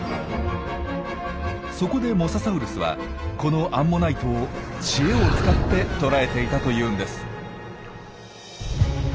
そこでモササウルスはこのアンモナイトを知恵を使って捕らえていたというんです。